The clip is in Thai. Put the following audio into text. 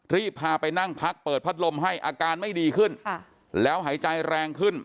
รีบพาไปนั่งพักเปิดพัดลมให้อาการไม่ดีขึ้นแล้วหายใจแรงขึ้น